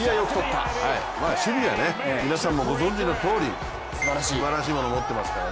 守備はもうね皆さんもご存じのとおりすばらしいものを持ってますから。